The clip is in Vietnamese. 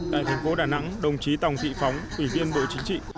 tại thành phố đà nẵng đồng chí tòng thị phóng ủy viên bộ chính trị